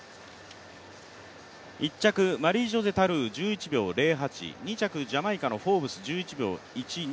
１着、マリージョセ・タルー、１１秒０８２着、ジャマイカのフォーブス１１秒１２。